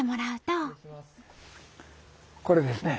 これですね。